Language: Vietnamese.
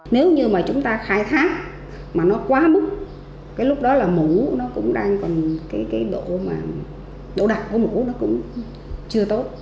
nếu như mà chúng ta khai thác mà nó quá mức cái lúc đó là mù nó cũng đang còn cái độ đặc của mù nó cũng chưa tốt